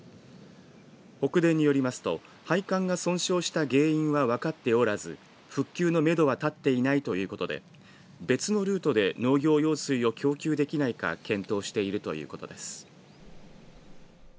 北電によりますと配管が損傷した原因は分かっておらず復旧のめどは立っていないということで別のルートで農業用水を供給できないか検討しているということです。